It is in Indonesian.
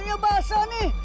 bilnya basah nih